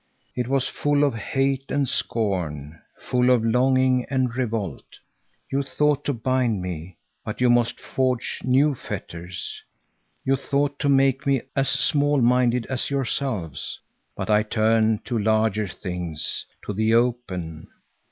It was full of hate and scorn, full of longing and revolt. You thought to bind me, but you must forge new fetters. You thought to make me as small minded as yourselves, but I turn to larger things, to the open.